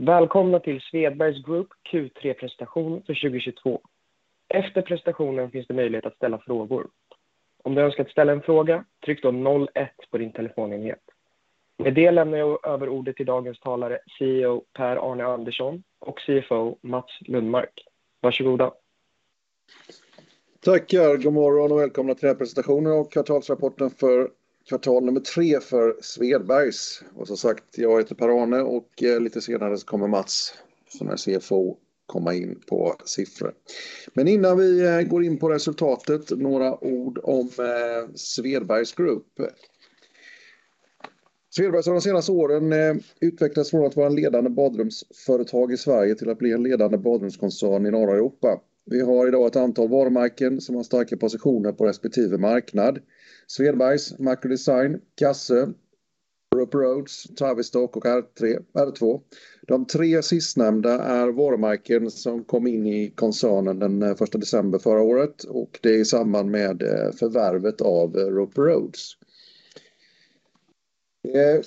Välkomna till Svedbergs Group Q3-presentation för 2022. Efter presentationen finns det möjlighet att ställa frågor. Om du önskar att ställa en fråga, tryck då noll ett på din telefonenhet. Med det lämnar jag över ordet till dagens talare, CEO Per-Arne Andersson och CFO Mats Lundmark. Varsågoda. Tackar. God morgon och välkomna till den här presentationen och kvartalsrapporten för kvartal nummer tre för Svedbergs. Som sagt, jag heter Per-Arne och lite senare så kommer Mats, vår CFO, komma in på siffror. Innan vi går in på resultatet, några ord om Svedbergs Group. Svedbergs har de senaste åren utvecklats från att vara ett ledande badrumsföretag i Sverige till att bli en ledande badrumskoncern i norra Europa. Vi har i dag ett antal varumärken som har starka positioner på respektive marknad. Svedbergs, Macro Design, Cassøe, Roper Rhodes, Tavistock och R2. De tre sistnämnda är varumärken som kom in i koncernen den första december förra året och det i samband med förvärvet av Roper Rhodes.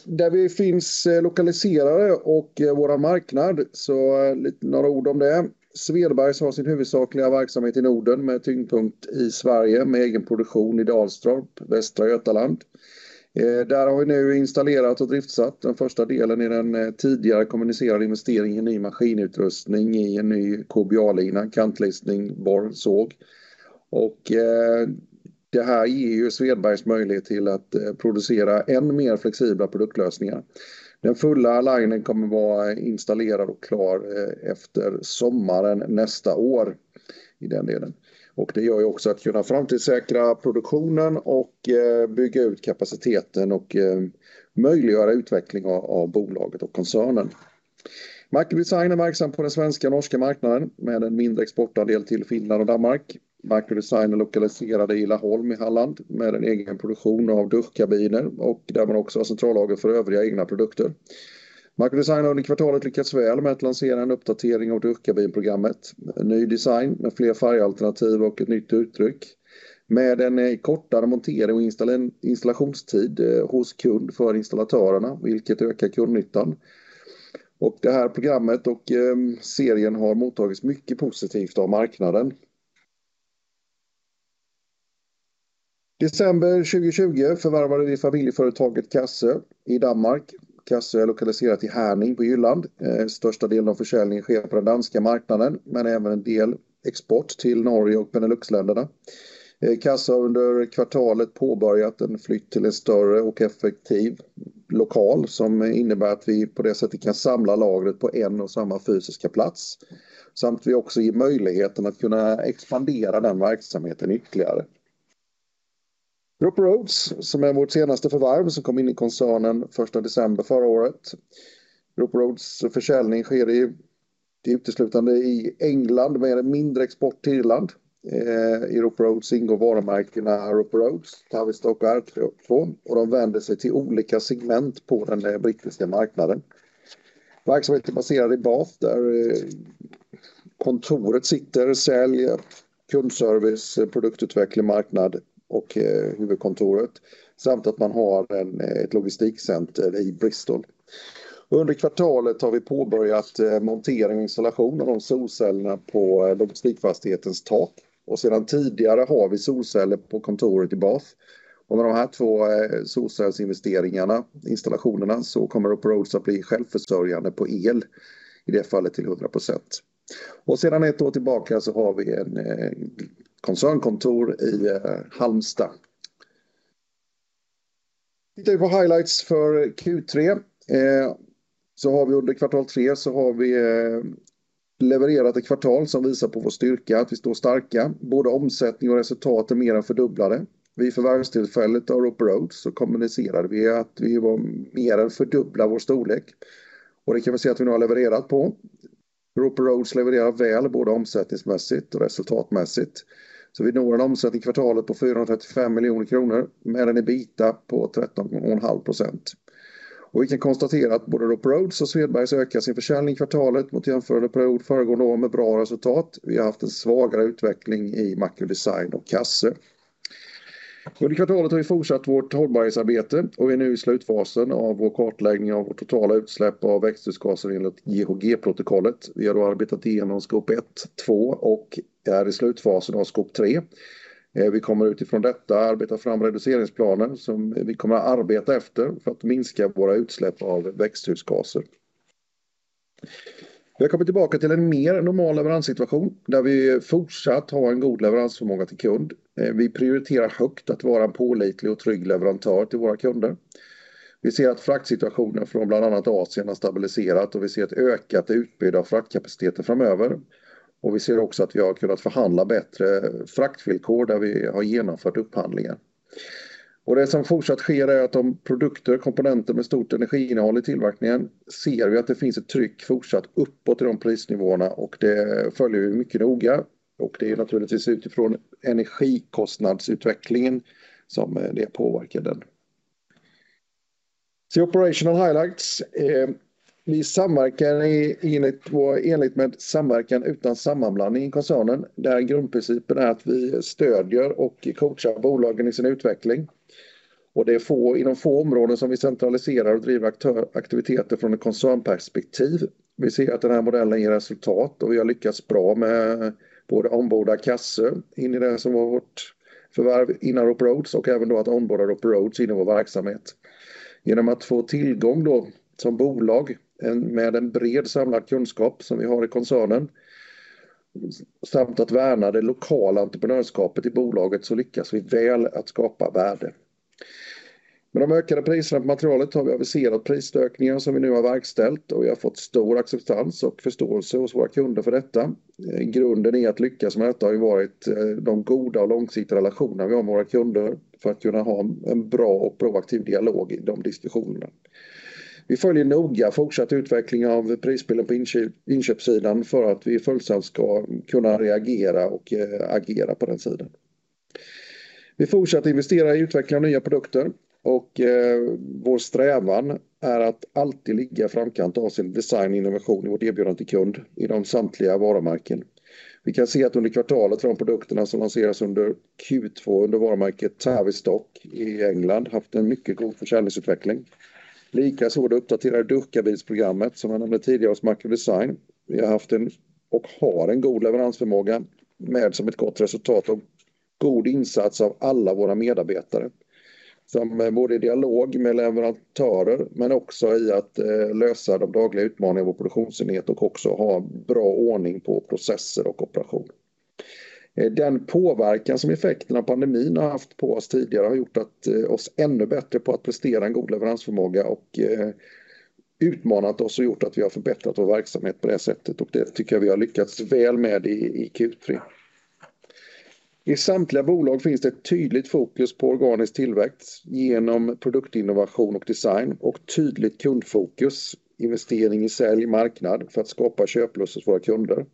Där vi finns lokaliserade och vår marknad, så lite några ord om det. Svedbergs har sin huvudsakliga verksamhet i Norden med tyngdpunkt i Sverige med egen produktion i Dalstorp, Västra Götaland. Där har vi nu installerat och driftsatt den första delen i den tidigare kommunicerade investeringen i ny maskinutrustning i en ny KBA-lina, kantlistning, borr, såg. Det här ger ju Svedbergs möjlighet till att producera än mer flexibla produktlösningar. Den fulla linen kommer att vara installerad och klar efter sommaren nästa år i den delen. Det gör ju också att kunna framtidssäkra produktionen och bygga ut kapaciteten och möjliggöra utveckling av bolaget och koncernen. Macro Design är verksam på den svenska och norska marknaden med en mindre exportandel till Finland och Danmark. Macro Design är lokaliserade i Laholm i Halland med en egen produktion av duschkabiner och där man också har centrallager för övriga egna produkter. Macro Design har under kvartalet lyckats väl med att lansera en uppdatering av duschkabinprogrammet. Ny design med fler färgalternativ och ett nytt uttryck. Med en kortare montering och installationstid hos kund för installatörerna, vilket ökar kundnyttan. Det här programmet och serien har mottagits mycket positivt av marknaden. December 2020 förvärvade vi familjeföretaget Cassø i Danmark. Cassø är lokaliserat i Herning på Jylland. Största delen av försäljningen sker på den danska marknaden, men även en del export till Norge och Beneluxländerna. Cassø under kvartalet påbörjat en flytt till en större och effektiv lokal som innebär att vi på det sättet kan samla lagret på en och samma fysiska plats. Vi också ger möjligheten att kunna expandera den verksamheten ytterligare. Roper Rhodes som är vårt senaste förvärv som kom in i koncernen första december förra året. Roper Rhodes försäljning sker ju till uteslutande i England med en mindre export till Irland. I Roper Rhodes ingår varumärkena Roper Rhodes, Tavistock och R2, och de vänder sig till olika segment på den brittiska marknaden. Verksamheten är baserad i Bath, där kontoret sitter, säljer, kundservice, produktutveckling, marknad och huvudkontoret. Samt att man har ett logistikcenter i Bristol. Under kvartalet har vi påbörjat montering och installation av de solcellerna på logistikfastighetens tak. Sedan tidigare har vi solceller på kontoret i Bath. Med de här två solcellsinvesteringarna, installationerna, så kommer Roper Rhodes att bli självförsörjande på el, i det fallet till 100%. Sedan ett år tillbaka så har vi ett koncernkontor i Halmstad. Tittar vi på highlights för Q3. Så har vi under kvartalet levererat ett kvartal som visar på vår styrka att vi står starka. Både omsättning och resultat är mer än fördubblade. Vid förvärvstillfället av Roper Rhodes kommunicerade vi att vi var mer än fördubblar vår storlek. Det kan vi säga att vi nu har levererat på. Roper Rhodes levererar väl både omsättningsmässigt och resultatmässigt. Vi når en omsättning i kvartalet på SEK 435 miljoner med en EBITDA på 13.5%. Vi kan konstatera att både Roper Rhodes och Svedbergs ökar sin försäljning i kvartalet mot jämförande period föregående år med bra resultat. Vi har haft en svagare utveckling i Macro Design och Cassø. Under kvartalet har vi fortsatt vårt hållbarhetsarbete och är nu i slutfasen av vår kartläggning av vår totala utsläpp av växthusgaser enligt GHG-protokollet. Vi har då arbetat igenom Scope 1, 2 och är i slutfasen av Scope 3. Vi kommer utifrån detta arbeta fram reduceringsplanen som vi kommer att arbeta efter för att minska våra utsläpp av växthusgaser. Vi har kommit tillbaka till en mer normal leveranssituation där vi fortsatt har en god leveransförmåga till kund. Vi prioriterar högt att vara en pålitlig och trygg leverantör till våra kunder. Vi ser att fraktsituationen från bland annat Asien har stabiliserat och vi ser ett ökat utbud av fraktkapaciteten framöver. Vi ser också att vi har kunnat förhandla bättre fraktvillkor där vi har genomfört upphandlingar. Det som fortsatt sker är att de produkter och komponenter med stort energiinnehåll i tillverkningen ser vi att det finns ett tryck fortsatt uppåt i de prisnivåerna och det följer vi mycket noga. Det är naturligtvis utifrån energikostnadsutvecklingen som det påverkar den. The operational highlights. Vi samverkar i enlighet med samverkan utan sammanblandning i koncernen. Där grundprincipen är att vi stödjer och coachar bolagen i sin utveckling. Det är få, inom få områden som vi centraliserar och driver aktiviteter från ett koncernperspektiv. Vi ser att den här modellen ger resultat och vi har lyckats bra med både omborda Cassøe in i det som var vårt förvärv innan Roper Rhodes och även då att omborda Roper Rhodes inom vår verksamhet. Genom att få tillgång då som bolag med en bred samlad kunskap som vi har i koncernen. Samt att värna det lokala entreprenörskapet i bolaget så lyckas vi väl att skapa värde. Med de ökade priserna på materialet har vi aviserat prisökningar som vi nu har verkställt och vi har fått stor acceptans och förståelse hos våra kunder för detta. Grunden i att lyckas med detta har ju varit de goda och långsiktiga relationerna vi har med våra kunder för att kunna ha en bra och proaktiv dialog i de diskussionerna. Vi följer noga fortsatt utveckling av prisbilden på inköpssidan för att vi fullt ut ska kunna reagera och agera på den sidan. Vi fortsätter investera i utveckling av nya produkter och vår strävan är att alltid ligga i framkant av sin designinnovation i vårt erbjudande till kund i de samtliga varumärken. Vi kan se att under kvartalet för de produkterna som lanseras under Q2 under varumärket Roper Rhodes i England haft en mycket god försäljningsutveckling. Likaså det uppdaterade duschkabins-programmet som jag nämnde tidigare hos Macro Design. Vi har haft en, och har en god leveransförmåga med som ett gott resultat av god insats av alla våra medarbetare. Samt både i dialog med leverantörer men också i att lösa de dagliga utmaningar i vår produktionsenhet och också ha bra ordning på processer och operation. Den påverkan som effekten av pandemin har haft på oss tidigare har gjort oss ännu bättre på att prestera en god leveransförmåga och utmanat oss och gjort att vi har förbättrat vår verksamhet på det sättet. Det tycker jag vi har lyckats väl med i Q3. I samtliga bolag finns det ett tydligt fokus på organisk tillväxt genom produktinnovation och design och tydligt kundfokus, investering i sälj och marknad för att skapa köplust hos våra kunder.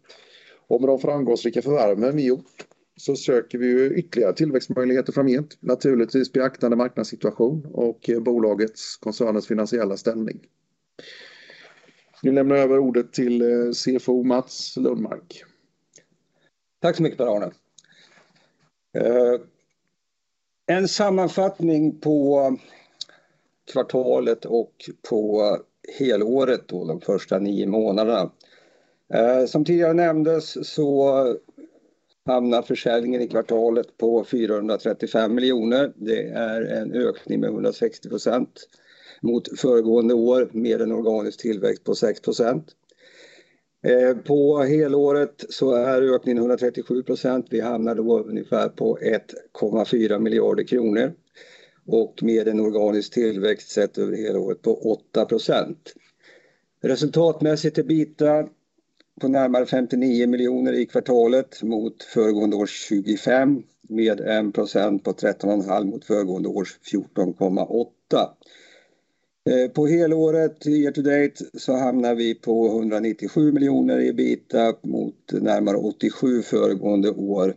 Med de framgångsrika förvärven vi gjort så söker vi ju ytterligare tillväxtmöjligheter framgent, naturligtvis beaktande marknadssituation och bolagets och koncernens finansiella ställning. Nu lämnar jag över ordet till CFO Mats Lundmark. Tack så mycket, Arne. En sammanfattning på kvartalet och på helåret då, de första nio månaderna. Som tidigare nämndes så hamnar försäljningen i kvartalet på SEK 435 miljoner. Det är en ökning med 160% mot föregående år med en organisk tillväxt på 6%. På helåret så är ökningen 137%. Vi hamnar då ungefär på SEK 1.4 miljarder kronor och med en organisk tillväxt sett över helåret på 8%. Resultatmässigt är EBITA på närmare SEK 59 miljoner i kvartalet mot föregående års 25 med en marginal på 13.5% mot föregående års 14.8%. På helåret year to date så hamnar vi på 197 miljoner i EBITA mot närmare 87 föregående år.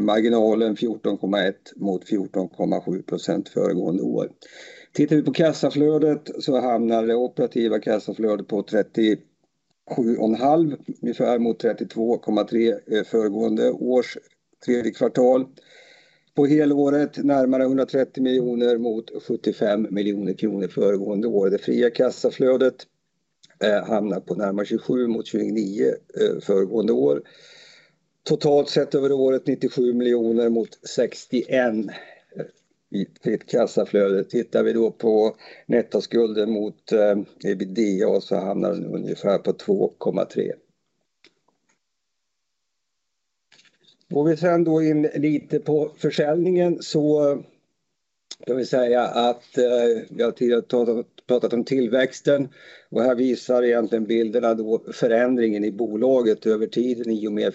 Marginalen 14.1% mot 14.7% föregående år. Tittar vi på kassaflödet så hamnar det operativa kassaflödet på SEK 37.5 million, ungefär mot SEK 32.3 million föregående års tredje kvartal. På helåret närmare SEK 130 million mot SEK 75 million föregående år. Det fria kassaflödet hamnar på närmare SEK 27 million mot SEK 29 million föregående år. Totalt sett över året SEK 97 million mot SEK 61 million i fritt kassaflöde. Tittar vi då på nettoskulden mot EBITDA så hamnar den ungefär på 2.3. Går vi sen då in lite på försäljningen så. Låt mig säga att vi har tidigare pratat om tillväxten och här visar egentligen bilderna då förändringen i bolaget över tiden i och med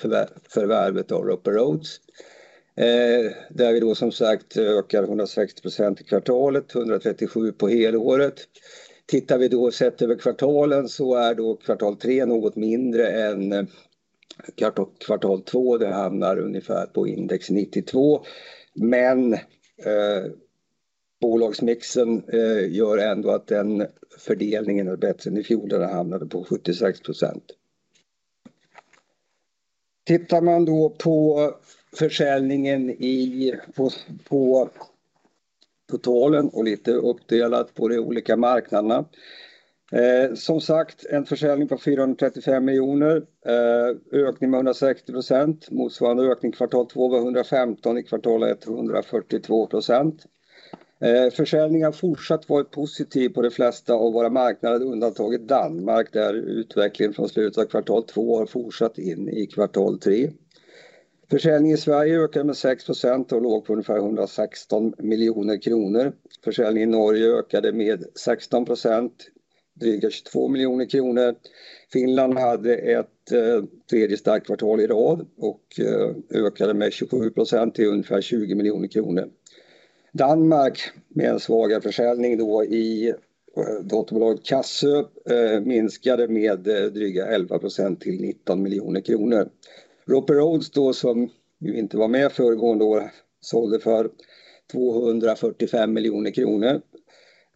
förvärvet av Roper Rhodes. Där vi då som sagt ökar 160% i kvartalet, 137% på helåret. Tittar vi då sett över kvartalen så är då kvartal tre något mindre än kvartal två. Det hamnar ungefär på index 92. Bolagsmixen gör ändå att den fördelningen är bättre än i fjol. Den hamnade på 76%. Tittar man då på försäljningen i, på totalen och lite uppdelat på de olika marknaderna. Som sagt, en försäljning på SEK 435 million. Ökning med 160%. Motsvarande ökning kvartal två var 115% i kvartal ett 142%. Försäljningen har fortsatt vara positiv på det mesta av våra marknader undantaget Danmark, där utvecklingen från slutet av kvartal två har fortsatt in i kvartal tre. Försäljningen i Sverige ökar med 6% och låg på ungefär SEK 116 million. Försäljningen i Norge ökade med 16%, dryga SEK 22 million. Finland hade ett tredje starkt kvartal i rad och ökade med 27% till ungefär SEK 20 million. Danmark med en svagare försäljning då i dotterbolaget Cassøe minskade med dryga 11% till SEK 19 million. Roper Rhodes, som ju inte var med föregående år, sålde för SEK 245 miljoner.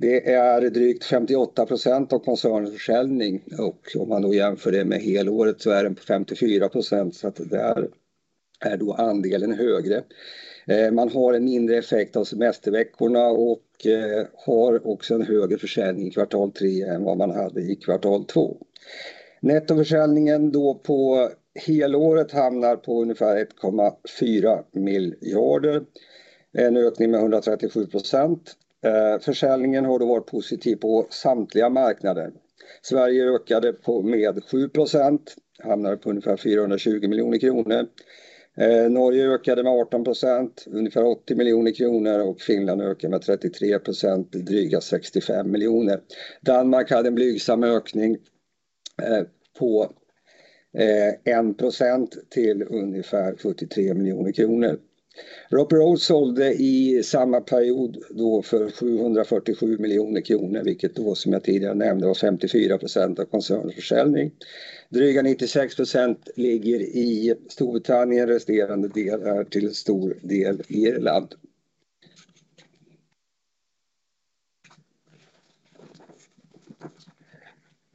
Det är drygt 58% av koncernförsäljning och om man då jämför det med helåret så är den på 54%. Där är då andelen högre. Man har en mindre effekt av semesterveckorna och har också en högre försäljning i kvartal tre än vad man hade i kvartal två. Nettoförsäljningen på helåret hamnar på ungefär SEK 1.4 miljarder. En ökning med 137%. Försäljningen har varit positiv på samtliga marknader. Sverige ökade med 7%, hamnade på ungefär SEK 420 miljoner. Norge ökade med 18%, ungefär SEK 80 miljoner och Finland ökade med 33%, drygt SEK 65 miljoner. Danmark hade en blygsam ökning på 1% till ungefär SEK 73 miljoner. Roper Rhodes sålde i samma period då för SEK 747 miljoner kronor, vilket då som jag tidigare nämnde var 54% av koncernförsäljning. Drygt 96% ligger i Storbritannien. Resterande del är till stor del Irland.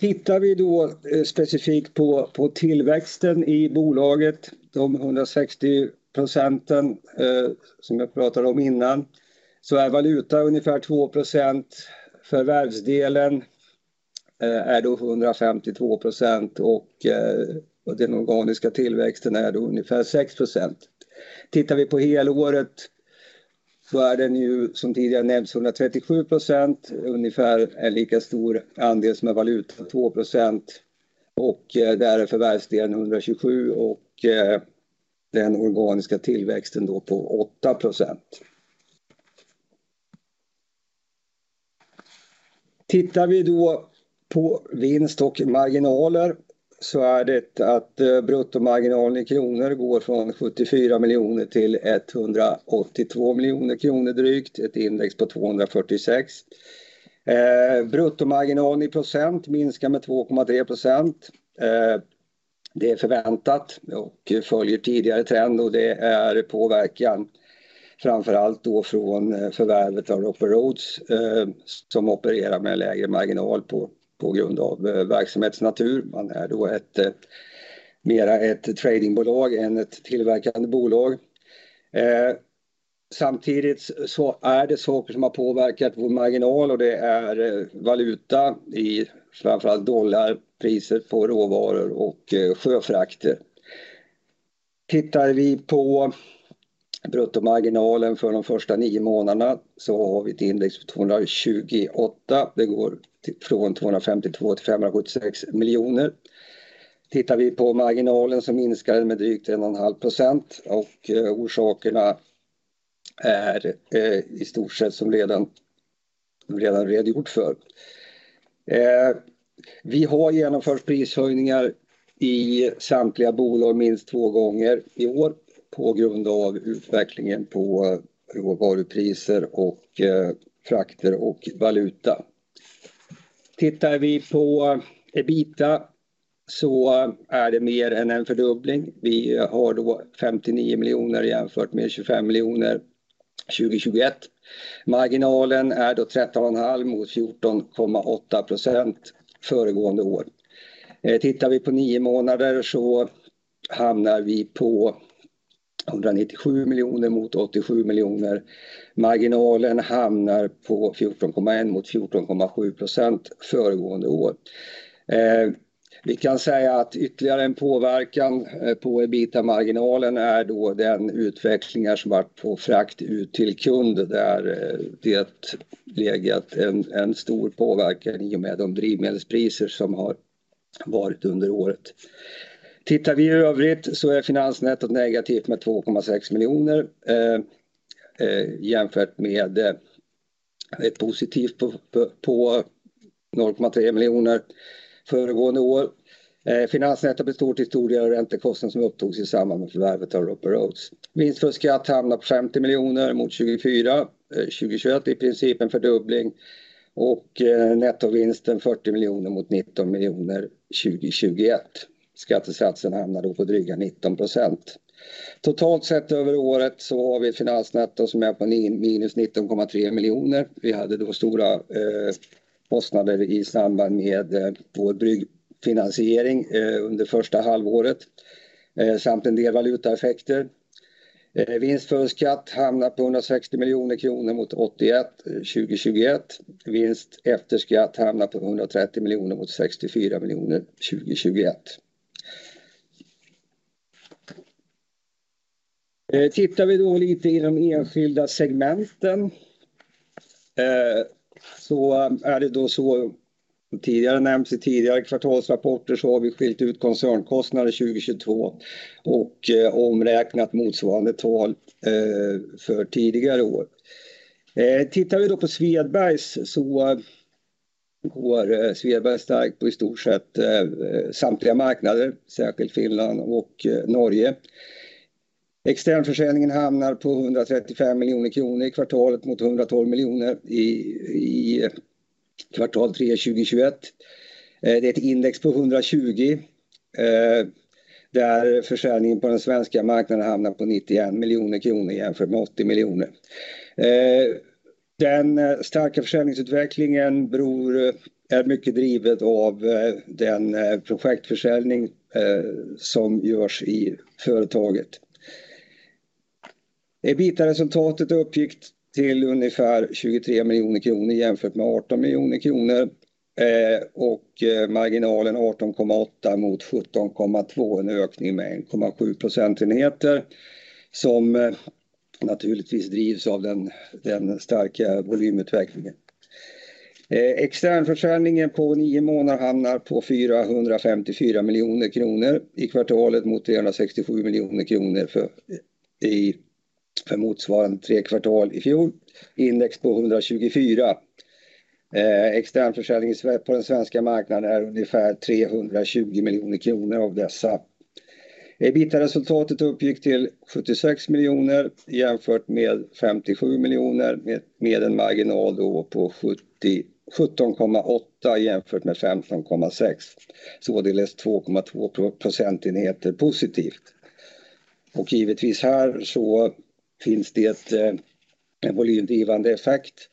Tittar vi då specifikt på tillväxten i bolaget, de 160 procenten som jag pratade om innan, så är valuta ungefär 2%. Förvärvsdelen är då 152% och den organiska tillväxten är då ungefär 6%. Tittar vi på helåret så är den ju som tidigare nämnt 137%, ungefär en lika stor andel som är valuta 2% och där är förvärvsdelen 127 och den organiska tillväxten då på 8%. Tittar vi då på vinst och marginaler så är det att bruttomarginalen i kronor går från 74 miljoner till 182 miljoner kronor drygt. Ett index på 246. Bruttomarginalen i procent minskar med 2.3%. Det är förväntat och följer tidigare trend och det är påverkan framför allt då från förvärvet av Roper Rhodes, som opererar med lägre marginal på grund av verksamhetsnatur. Man är då ett mera tradingbolag än ett tillverkande bolag. Samtidigt så är det saker som har påverkat vår marginal och det är valuta i framför allt dollar, priset på råvaror och sjöfrakter. Tittar vi på bruttomarginalen för de första 9 månaderna så har vi ett index på 228. Det går från 252 till SEK 576 miljoner. Tittar vi på marginalen så minskar den med drygt 1.5% och orsakerna är i stort sett som redan redogjort för. Vi har genomfört prishöjningar i samtliga bolag minst 2 gånger i år på grund av utvecklingen på råvarupriser och frakter och valuta. Tittar vi på EBITDA så är det mer än en fördubbling. Vi har då SEK 59 miljoner jämfört med SEK 25 miljoner 2021. Marginalen är då 13.5 mot 14.8% föregående år. Tittar vi på 9 månader så hamnar vi på SEK 197 miljoner mot SEK 87 miljoner. Marginalen hamnar på 14.1 mot 14.7% föregående år. Vi kan säga att ytterligare en påverkan på EBITDA-marginalen är då den utvecklingar som varit på frakt ut till kund. Där det legat en stor påverkan i och med de drivmedelspriser som har varit under året. Tittar vi i övrigt så är finansnettot negativt med SEK 2.6 miljoner, jämfört med ett positivt på 0.3 miljoner föregående år. Finansnettot består till stor del av räntekostnaden som upptogs i samband med förvärvet av Roper Rhodes. Vinst för skatt hamnar på SEK 50 miljoner mot 24. 2021 i princip en fördubbling och nettovinsten 40 miljoner mot 19 miljoner 2021. Skattesatsen hamnar då på dryga 19%. Totalt sett över året så har vi ett finansnetto som är på minus SEK 19.3 miljoner. Vi hade då stora kostnader i samband med vår bryggfinansiering under första halvåret samt en del valutaeffekter. Vinst för skatt hamnar på SEK 160 miljoner mot 81 2021. Vinst efter skatt hamnar på SEK 130 miljoner mot 64 miljoner 2021. Tittar vi då lite i de enskilda segmenten, så är det då så tidigare nämnts i tidigare kvartalsrapporter så har vi skilt ut koncernkostnader 2022 och omräknat motsvarande tal för tidigare år. Tittar vi då på Svedbergs så går Svedbergs starkt på i stort sett samtliga marknader, särskilt Finland och Norge. Externförsäljningen hamnar på SEK 135 miljoner i kvartalet mot 112 miljoner i kvartal tre 2021. Det är ett index på 120, där försäljningen på den svenska marknaden hamnar på SEK 91 miljoner kronor jämfört med SEK 80 miljoner. Den starka försäljningsutvecklingen är mycket drivet av den projektförsäljning som görs i företaget. EBITA-resultatet uppgick till ungefär SEK 23 miljoner kronor jämfört med SEK 18 miljoner kronor, och marginalen 18.8% mot 17.2%. En ökning med 1.7 procentenheter som naturligtvis drivs av den starka volymutvecklingen. Externförsäljningen på nio månader hamnar på SEK 454 miljoner kronor i kvartalet mot SEK 367 miljoner kronor för motsvarande tre kvartal i fjol. Index på 124. På den svenska marknaden är ungefär SEK 330 miljoner kronor av dessa. EBITA-resultatet uppgick till SEK 76 miljoner jämfört med SEK 57 miljoner med en marginal på 17.8% jämfört med 15.6%. Således 2.2 procentenheter positivt. Givetvis här så finns det en volymdrivande effekt.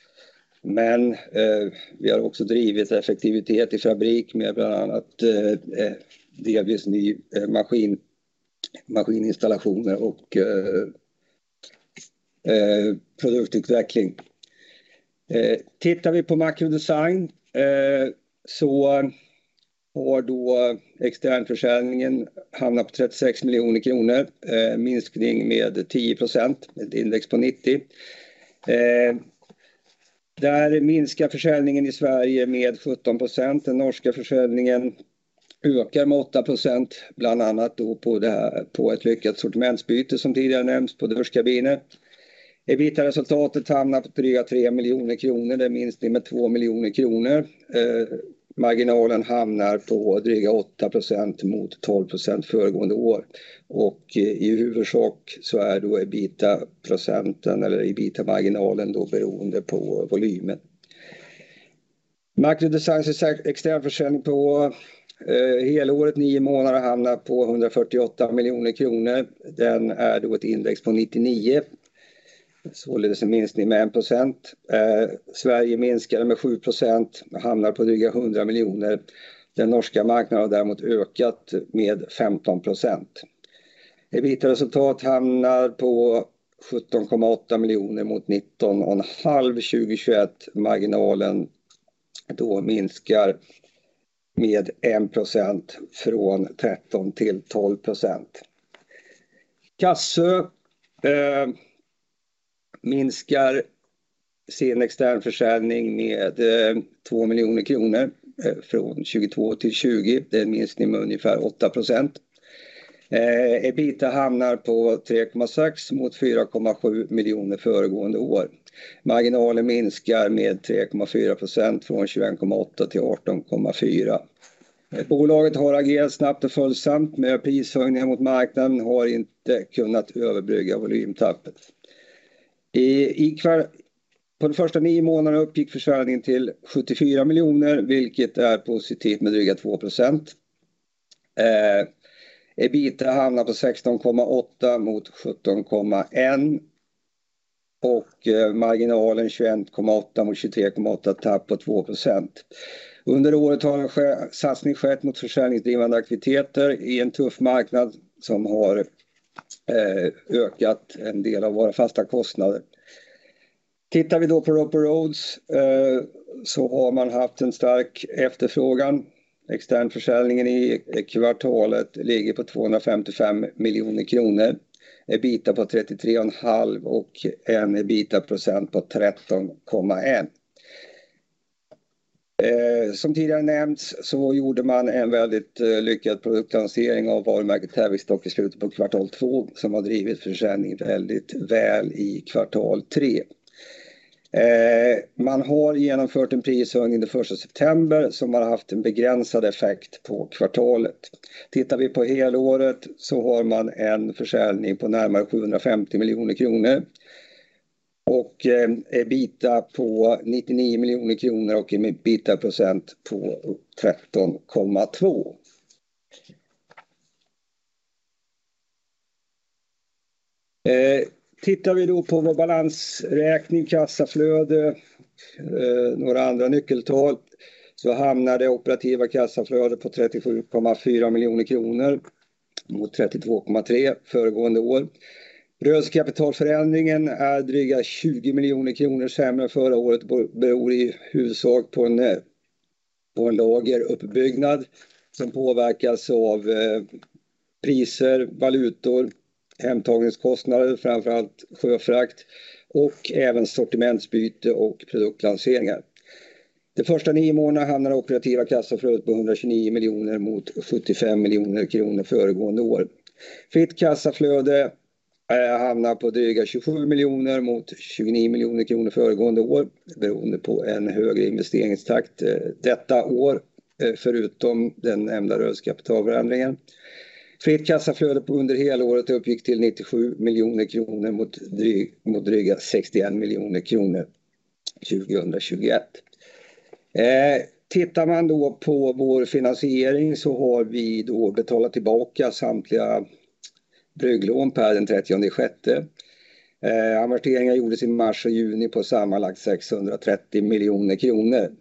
Men, vi har också drivit effektivitet i fabrik med bland annat, delvis ny maskin, maskininvestallationer och, produktutveckling. Tittar vi på Macro Design, så har då externförsäljningen hamnat på SEK 36 miljoner. Minskning med 10%, ett index på 90. Där minskar försäljningen i Sverige med 17%. Den norska försäljningen ökar med 8%, bland annat då på ett lyckat sortimentsbyte som tidigare nämnts på duschkabiner. EBITA-resultatet hamnar på dryga 3 miljoner SEK. Det är minskning med 2 miljoner SEK. Marginalen hamnar på dryga 8% mot 12% föregående år. I huvudsak så är då EBITA-procenten eller EBITA-marginalen då beroende på volymen. Macro Designs externförsäljning på, helåret nio månader hamnar på SEK 148 miljoner. Den är då ett index på 99. Således en minskning med 1%. Sverige minskar med 7% och hamnar på just over SEK 100 million. Den norska marknaden har däremot ökat med 15%. EBITA-resultat hamnar på 17.8 million mot 19.5 2021. Marginalen då minskar med 1% från 13% till 12%. Cassøe minskar sin externförsäljning med SEK 2 million från 22 till 20. Det är en minskning med ungefär 8%. EBITA hamnar på 3.6 mot 4.7 million föregående år. Marginalen minskar med 3.4% från 21.8% till 18.4%. Bolaget har agerat snabbt och följsamt med prishöjningar mot marknaden har inte kunnat överbrygga volymtappet. På de första nio månaderna uppgick försäljningen till SEK 74 million, vilket är positivt med just over 2%. EBITA hamnar på 16.8 mot 17.1. Marginalen 21.8 mot 23.8, ett tapp på 2%. Under året har en satsning skett mot försäljningsdrivande aktiviteter i en tuff marknad som har ökat en del av våra fasta kostnader. Tittar vi då på Roper Rhodes, så har man haft en stark efterfrågan. Externförsäljningen i kvartalet ligger på SEK 255 million. EBITA på 33.5 och en EBITA% på 13.1. Som tidigare nämnts så gjorde man en väldigt lyckad produktlansering av varumärket Tavistock i slutet på kvartal två, som har drivit försäljningen väldigt väl i kvartal tre. Man har genomfört en prishöjning den första september som har haft en begränsad effekt på kvartalet. Tittar vi på helåret så har man en försäljning på närmare SEK 750 million. EBITA på 99 million SEK och en EBITA% på 13.2. Tittar vi då på vår balansräkning, kassaflöde, några andra nyckeltal, så hamnar det operativa kassaflödet på SEK 37.4 miljoner mot SEK 32.3 föregående år. Rörelsekapitalförändringen är dryga SEK 20 miljoner sämre än förra året. Beror i huvudsak på en lageruppbyggnad som påverkas av priser, valutor, hemtagningskostnader, framför allt sjöfrakt och även sortimentsbyte och produktlanseringar. Det första nio månaderna hamnar operativa kassaflödet på SEK 129 miljoner mot SEK 75 miljoner föregående år. Fritt kassaflöde hamnar på dryga SEK 27 miljoner mot SEK 29 miljoner föregående år, beroende på en högre investeringstakt detta år. Förutom den nämnda rörelsekapitalförändringen. Fritt kassaflöde under helåret uppgick till SEK 97 miljoner mot dryga SEK 61 miljoner 2021. Tittar man då på vår finansiering så har vi då betalat tillbaka samtliga brygglån per den 30 juni. Amorteringar gjordes i mars och juni på sammanlagt SEK 630 miljoner.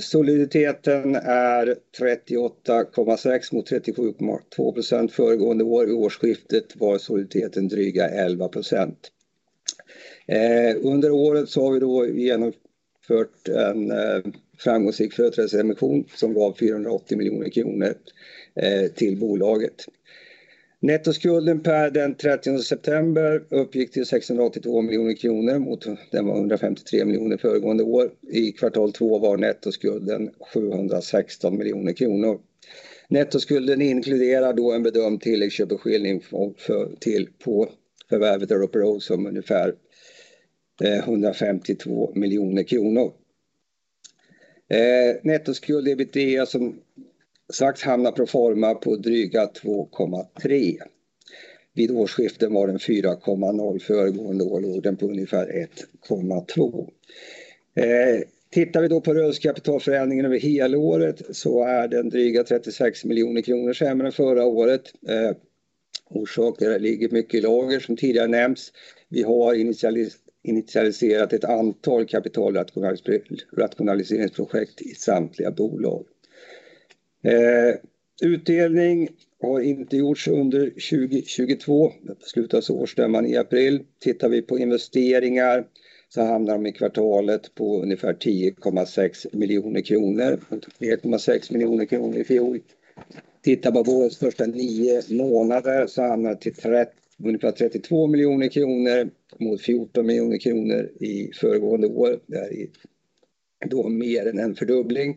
Soliditeten är 38.6 mot 37.2% föregående år. Vid årsskiftet var soliditeten dryga 11%. Under året så har vi då genomfört en framgångsrik företrädesemission som gav SEK 480 million till bolaget. Nettoskulden per den 30 september uppgick till SEK 682 million mot den var SEK 153 million föregående år. I kvartal två var nettoskulden SEK 716 million. Nettoskulden inkluderar då en bedömd tilläggsköpeskilling från förvärvet av Roper Rhodes som ungefär SEK 152 million. Nettoskuld, EBITDA, som sagt, hamnar pro forma på dryga 2.3. Vid årsskiftet var den 4.0, föregående år låg den på ungefär 1.2. Tittar vi då på rörelsekapitalförändringen över hela året så är den dryga 36 million SEK sämre än förra året. Orsaker ligger mycket i lager som tidigare nämnts. Vi har initierat ett antal kapitalrationaliseringsprojekt i samtliga bolag. Utdelning har inte gjorts under 2022. Det beslutades på årsstämman i april. Tittar vi på investeringar så hamnar de i kvartalet på ungefär SEK 10.6 miljoner kronor. SEK 1.6 miljoner kronor i fjol. Tittar man på årets första nio månader så hamnar det ungefär SEK 32 miljoner kronor mot SEK 14 miljoner kronor i föregående år. Det är då mer än en fördubbling.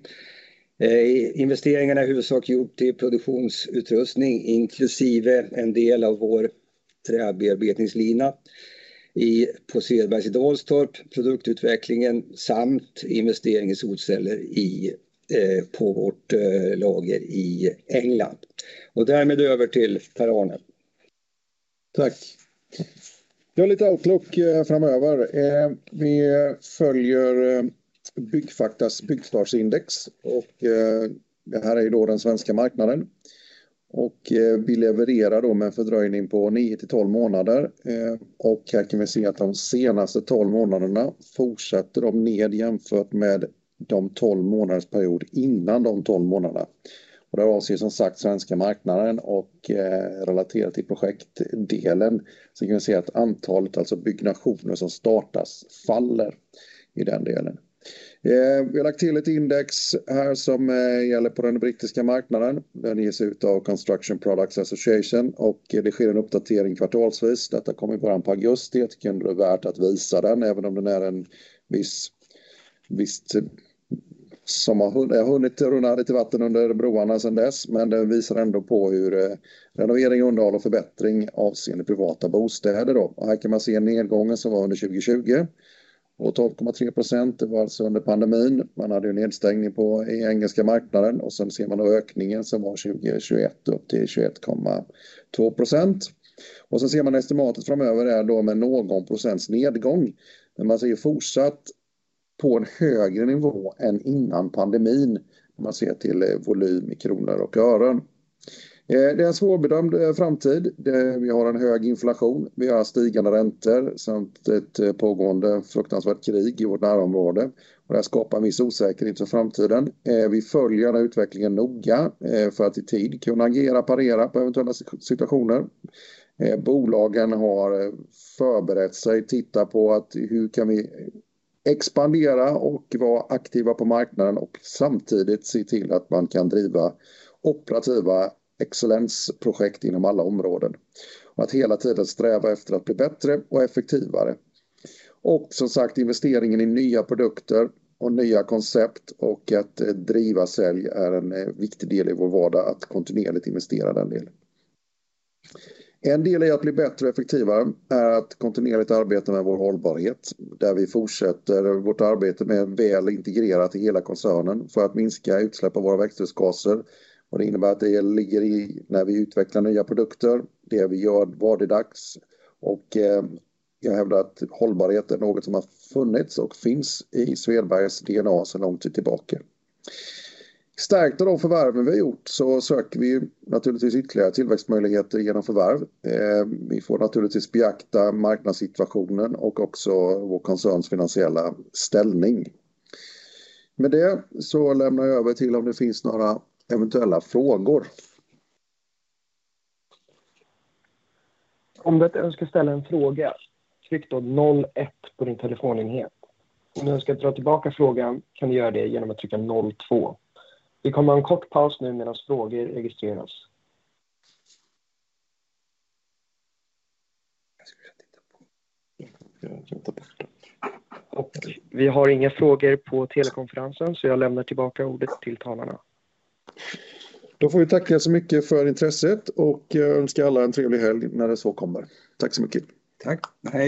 Investeringarna är i huvudsak gjort till produktionsutrustning, inklusive en del av vår träbearbetningslina i Svedbergs i Dalstorp, produktutvecklingen samt investering i solceller i vårt lager i England. Därmed över till Per-Arne. Tack. Ja, lite outlook framöver. Vi följer Byggfaktas byggstartsindex och det här är då den svenska marknaden. Vi levererar då med en fördröjning på 9 till 12 månader. Här kan vi se att de senaste 12 månaderna fortsätter de ned jämfört med de 12 månaders period innan de 12 månaderna. Det avser som sagt svenska marknaden och relaterat till projektdelen. Kan vi se att antalet, alltså byggnationer som startas, faller i den delen. Vi har lagt till ett index här som gäller på den brittiska marknaden. Den ges ut av Construction Products Association och det sker en uppdatering kvartalsvis. Detta kom in på den i augusti. Jag tycker det är värt att visa den, även om den är en viss som har hunnit runna lite vatten under broarna sedan dess, men den visar ändå på hur renovering, underhåll och förbättring avseende privata bostäder då. Här kan man se nedgången som var under 2020. Tolv komma tre procent, det var alltså under pandemin. Man hade ju nedstängning på engelska marknaden och sen ser man då ökningen som var 2021 upp till tjugoett komma två procent. Sen ser man estimatet framöver är då med någon % nedgång. Men man ser ju fortsatt på en högre nivå än innan pandemin. Om man ser till volym i kronor och ören. Det är en svårbedömd framtid. Vi har en hög inflation, vi har stigande räntor samt ett pågående fruktansvärt krig i vårt närområde och det skapar en viss osäkerhet för framtiden. Vi följer den utvecklingen noga för att i tid kunna agera, parera på eventuella situationer. Bolagen har förberett sig, tittat på att hur kan vi expandera och vara aktiva på marknaden och samtidigt se till att man kan driva operativa excellensprojekt inom alla områden. att hela tiden sträva efter att bli bättre och effektivare. Som sagt, investeringen i nya produkter och nya koncept och att driva sälj är en viktig del i vår vardag att kontinuerligt investera den delen. En del i att bli bättre och effektivare är att kontinuerligt arbeta med vår hållbarhet, där vi fortsätter vårt arbete med väl integrerat i hela koncernen för att minska utsläpp av våra växthusgaser. Det innebär att det ligger i när vi utvecklar nya produkter, det vi gör vardagligt. Jag hävdar att hållbarhet är något som har funnits och finns i Svedbergs DNA sedan lång tid tillbaka. Stärkt av de förvärven vi har gjort så söker vi naturligtvis ytterligare tillväxtmöjligheter genom förvärv. Vi får naturligtvis beakta marknadssituationen och också vår koncerns finansiella ställning. Med det så lämnar jag över till om det finns några eventuella frågor. Om du önskar ställa en fråga, tryck då noll ett på din telefonenhet. Om du önskar dra tillbaka frågan kan du göra det genom att trycka noll två. Vi kommer ha en kort paus nu medan frågor registreras. Vi har inga frågor på telekonferensen, så jag lämnar tillbaka ordet till talarna. Då får vi tacka er så mycket för intresset och önska alla en trevlig helg när den så kommer. Tack så mycket. Tack, hej.